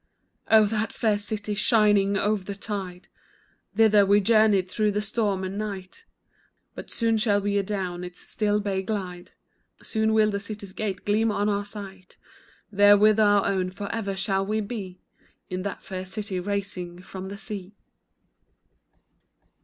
Oh, that fair city, shining o'er the tide, Thither we journey through the storm and night; But soon shall we adown its still bay glide, Soon will the city's gate gleam on our sight, There with our own forever shall we be, In that fair city rising from the sea.